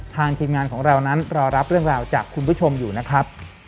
ทีมงานของเรานั้นรอรับเรื่องราวจากคุณผู้ชมอยู่นะครับ